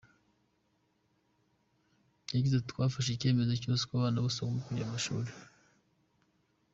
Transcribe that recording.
Yagize ati :”…Twafashe icyemezo ko abana bose bakwiye kujya mu mashuri.